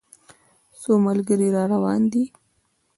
څو ملګري را روان دي.